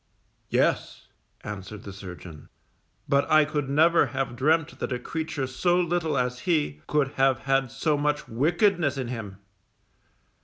Yes_, answered the surgeon, _but I could never have dreamt that a creature so little as he, could have had so much wickedness in him.